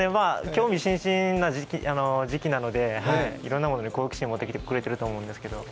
興味津々な時期なのでいろんなものに好奇心を持ってくれていると思いますけれども。